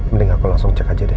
mending aku langsung cek aja deh